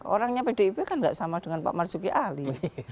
orangnya bdip kan tidak sama dengan pak marzuki ali